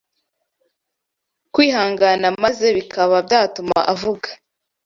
kwihangana maze bikaba byatuma avuga